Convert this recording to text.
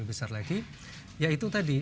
lebih besar lagi yaitu tadi